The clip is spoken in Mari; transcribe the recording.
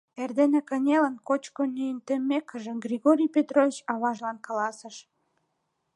Эрдене кынелын, кочкын-йӱын теммекыже, Григорий Петрович аважлан каласыш: